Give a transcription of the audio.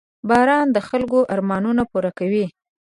• باران د خلکو ارمانونه پوره کوي.